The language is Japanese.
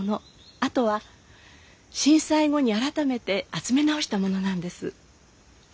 あとは震災後に改めて集め直したものなんです。